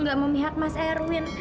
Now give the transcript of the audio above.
gak memihak mas erwin